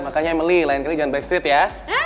makanya emily lain kali jangan backstreet ya